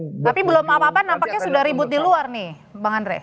tapi belum apa apa nampaknya sudah ribut di luar nih bang andre